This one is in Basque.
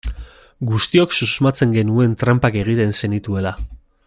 Guztiok susmatzen genuen tranpak egiten zenituela.